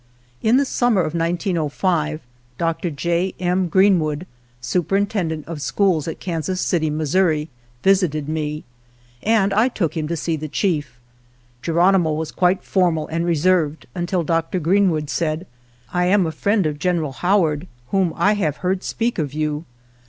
In the summer of 1905 Dr. J. M. Green wood, superintendent of schools at Kansas xi INTRODUCTORY City, Missouri, visited me, and I took him to see the chief. Geronimo was quite formal and reserved until Dr. Greenwood said, " I am a friend of General Howard, whom I have heard speak of you."